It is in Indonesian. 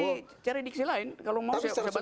ya cari diksi lain kalau mau saya bantuin